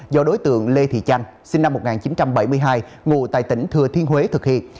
do đối tượng lê thị chanh sinh năm một nghìn chín trăm bảy mươi hai ngụ tại tỉnh thừa thiên huế thực hiện